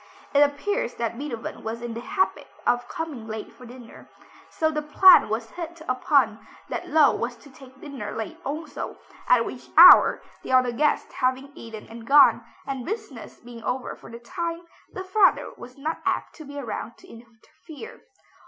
It appears that Beethoven was in the habit of coming late for dinner, so the plan was hit upon that Löwe was to take dinner late also, at which hour, the other guests having eaten and gone, and business being over for the time, the father was not apt to be around to interfere.